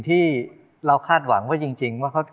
ตราบที่ทุกลมหายใจขึ้นหอดแต่ไอ้นั้น